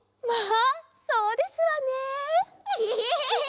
まあそうですわね。